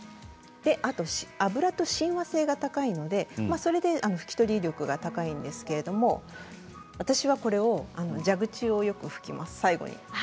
油と親和性が高いのでそれで拭き取り力が高いんですけど私は、これを蛇口をよく拭きます、最後に。